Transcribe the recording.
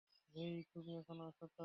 হেই, তুমি এখনো আছো তো?